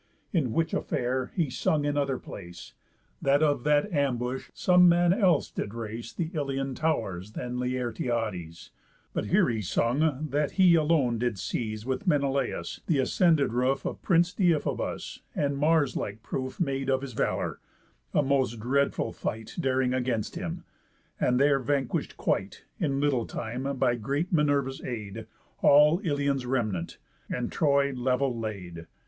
In which affair, he sung in other place, That of that ambush some man else did race The Ilion tow'rs than Laertiades; But here he sung, that he alone did seize, With Menelaus, the ascended roof Of prince Deiphobus, and Mars like proof Made of his valour, a most dreadful fight Daring against him; and there vanquish'd quite, In little time, by great Minerva's aid, All Ilion's remnant, and Troy level laid.